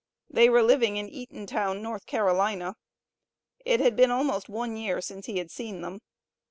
They were living in Eatontown, North Carolina. It had been almost one year since he had seen them.